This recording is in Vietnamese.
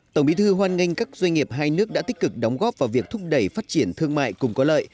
tổng bí thư hoan nghênh các doanh nghiệp hai nước đã tích cực đóng góp vào việc thúc đẩy phát triển thương mại cùng có lợi